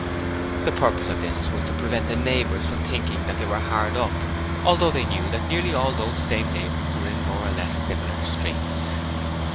The purpose of this was to prevent the neighbours from thinking that they were hard up; although they knew that nearly all those same neighbours were in more or less similar straits.